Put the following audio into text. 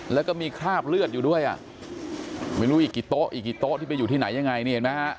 แล้วก็มีคราบเลือดอยู่ด้วยไม่รู้อีกกี่โต๊ะที่ไปอยู่ที่ไหนยังไง